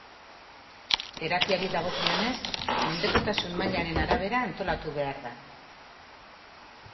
Terapiari dagokionez, mendekotasun mailaren arabera antolatu behar da.